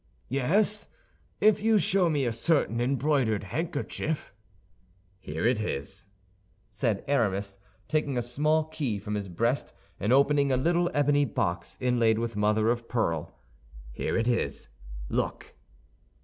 "Yes, if you show me a certain embroidered handkerchief." "Here it is," said Aramis, taking a small key from his breast and opening a little ebony box inlaid with mother of pearl, "here it is. Look."